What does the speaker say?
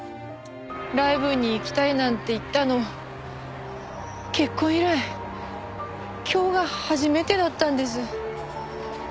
ライブに行きたいなんて言ったの結婚以来今日が初めてだったんです。